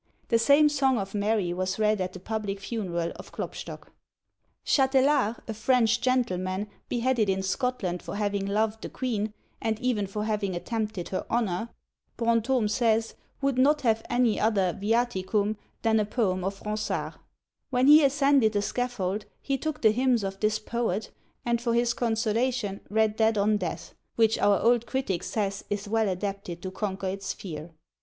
The same song of Mary was read at the public funeral of Klopstock. Chatelar, a French gentleman, beheaded in Scotland for having loved the queen, and even for having attempted her honour, Brantome says, would not have any other viaticum than a poem of Ronsard. When he ascended the scaffold he took the hymns of this poet, and for his consolation read that on death, which our old critic says is well adapted to conquer its fear.